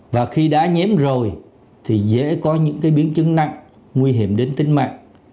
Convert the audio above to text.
và khi đã nhiễm rồi thì dễ có những biến chứng nặng nguy hiểm đến tính mạng